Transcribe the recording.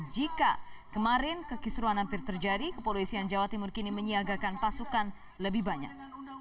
jika kemarin kekisruan hampir terjadi kepolisian jawa timur kini menyiagakan pasukan lebih banyak